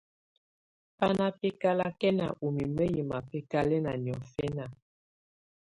Bá ná bɛ́kálakɛná ú mimǝ́ yɛ́ mabɛkalɛna niɔ́fɛna.